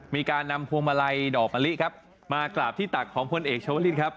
มีการนำพวงมาลัยดอกมะลิครับมากราบที่ตักของพลเอกชาวลิศครับ